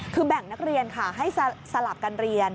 คือแบ่งนักเรียนค่ะให้สลับกันเรียน